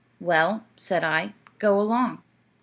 'Well,' said I, 'go along.'